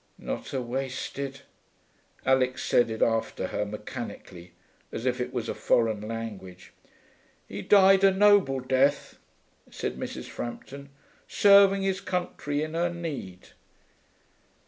'Not a wasted....' Alix said it after her mechanically, as if it was a foreign language. 'He died a noble death,' said Mrs. Frampton, 'serving his country in her need.'